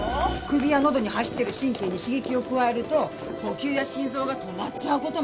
首や喉に走ってる神経に刺激を加えると呼吸や心臓が止まっちゃうこともあるんですって。